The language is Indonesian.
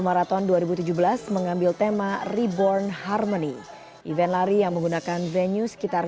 marathon dua ribu tujuh belas mengambil tema reborn harmony event lari yang menggunakan venue sekitar